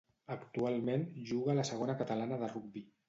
Actualment juga a la Segona Catalana de rugbi.